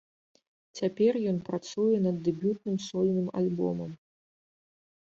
Цяпер ён працуе над дэбютным сольным альбомам.